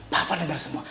papa dengar semua